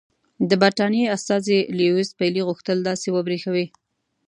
د برټانیې استازي لیویس پیلي غوښتل داسې وبرېښوي.